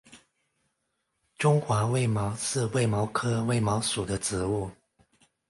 中华卫矛是卫矛科卫矛属的植物。